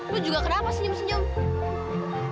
bu juga kenapa senyum senyum